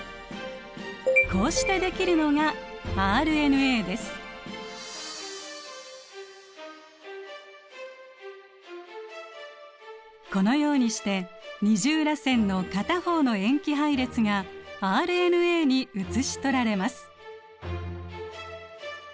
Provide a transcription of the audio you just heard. こうしてできるのがこのようにして二重らせんの片方の塩基配列がＲＮＡに写し取られます。